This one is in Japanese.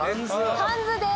ハンズです！